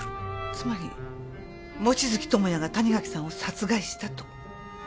つまり望月友也が谷垣さんを殺害したと。